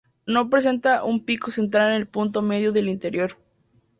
No presenta un pico central en el punto medio del interior.